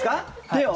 手を？